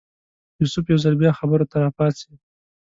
یوسف یو ځل بیا خبرو ته راپاڅېد.